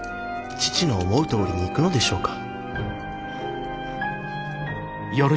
父の思うとおりにいくのでしょうか？